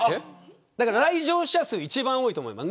来城者数が一番多いと思います。